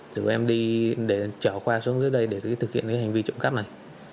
rủ em đi để chở khoa xuống dưới đây để thực hiện hành vi trộm cắp này